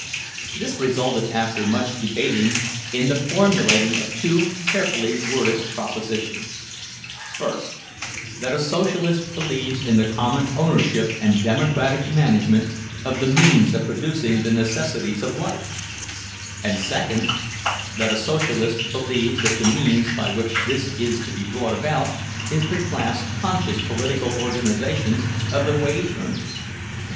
This resulted, after much debating, in the formulating of two carefully worded propositions: First, that a Socialist believes in the common ownership and democratic management of the means of producing the necessities of life; and, second, that a Socialist believes that the means by which this is to be brought about is the class conscious political organization of the wage earners.